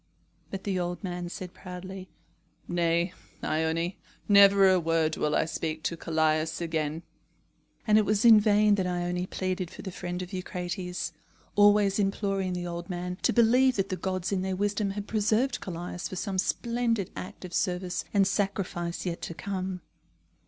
But the old man said proudly: "Nay, Ione, never a word will I speak to Callias again." And it was in vain that Ione pleaded for the friend of Eucrates, always imploring the old man to believe that the gods in their wisdom had preserved Callias for some splendid act of service and sacrifice yet to come.